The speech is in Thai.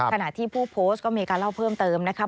ขณะที่ผู้โพสต์ก็มีการเล่าเพิ่มเติมนะคะ